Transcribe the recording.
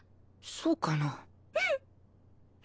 そうかも